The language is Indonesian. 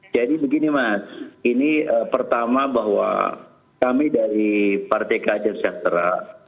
jadi begini mas ini pertama bahwa kami dari partai kajet sejahtera